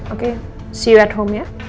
oke sampai jumpa di rumah ya